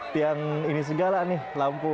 tiang ini segala nih lampu